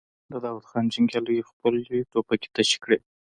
د داوود خان جنګياليو خپلې ټوپکې تشې کړې.